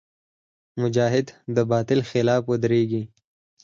مجاهد د باطل خلاف ودریږي.